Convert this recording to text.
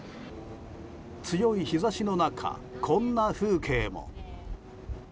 強い日差しの中、こんな風景も。